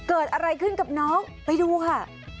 เกิดอะไรขึ้นกับน้องไปดูค่ะ